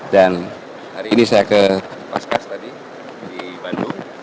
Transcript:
dan hari ini saya ke paskas tadi di bandung